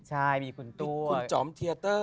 ใช่มีคุณตุ๊กคุณจ๋อมเทียเตอร์